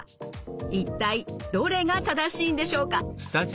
一体どれが正しいんでしょうか？